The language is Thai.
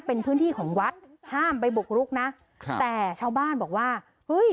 เป็นพื้นที่ของวัดห้ามไปบุกรุกนะครับแต่ชาวบ้านบอกว่าเฮ้ย